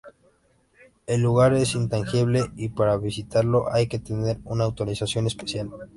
El lugar es intangible y para visitarlo hay que tener una autorización especial.